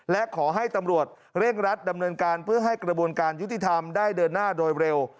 และขอให้ตำรวจเร่งรัดดำเนินการเพื่อให้กระบวนการยุติธรรมได้เดินหน้าโดยเร็ว